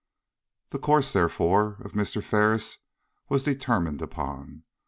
The course, therefore, of Mr. Ferris was determined upon.